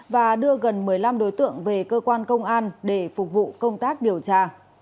và đưa gần một mươi năm đối tượng về cơ quan công an để phục vụ công tác điều tra